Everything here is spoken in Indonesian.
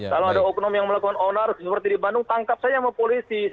kalau ada oknum yang melakukan onar seperti di bandung tangkap saja sama polisi